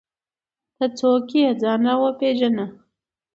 ته څوک یې ځان راوپېژنه!